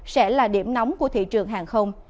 sẽ là điểm nóng của thị trường hàng không